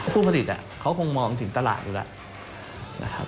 ผู้ผลิตเขาคงมองถึงตลาดอยู่แล้วนะครับ